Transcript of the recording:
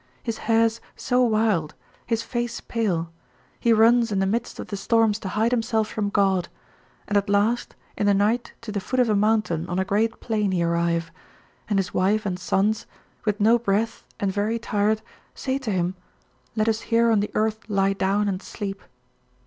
His hairs so wild, his face pale, he runs in the midst of the storms to hide himself from God, and, at last, in the night to the foot of a mountain on a great plain he arrive, and his wife and sons, with no breath and very tired, say to him, let us here on the earth lie down and sleep."